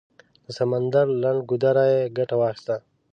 د سمندر له لنډ ګودره یې ګټه واخیسته.